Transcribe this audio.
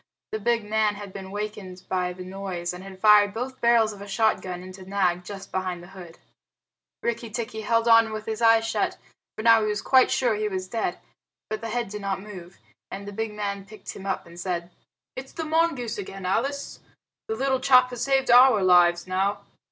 The big man had been wakened by the noise, and had fired both barrels of a shotgun into Nag just behind the hood. Rikki tikki held on with his eyes shut, for now he was quite sure he was dead. But the head did not move, and the big man picked him up and said, "It's the mongoose again, Alice. The little chap has saved our lives now."